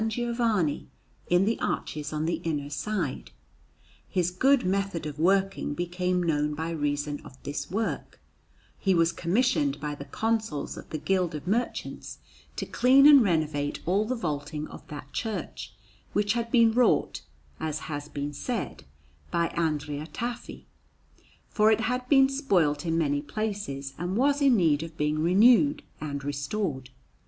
Giovanni, in the arches on the inner side. His good method of working becoming known by reason of this work, he was commissioned by the Consuls of the Guild of Merchants to clean and renovate all the vaulting of that church, which had been wrought, as has been said, by Andrea Tafi; for it had been spoilt in many places, and was in need of being renewed and restored.